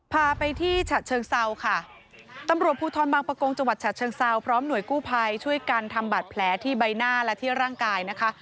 พาไปที่ฉะเชิงเซาค่ะตำรวจภูทรบางประกงจังหวัดฉะเชิงเซาพร้อมหน่วยกู้ภัยช่วยกันทำบาดแผลที่ใบหน้าและที่ร่างกายนะคะ